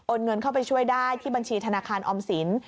เงินเข้าไปช่วยได้ที่บัญชีธนาคารออมสิน